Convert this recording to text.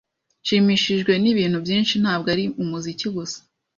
Nshimishijwe nibintu byinshi, ntabwo ari umuziki gusa.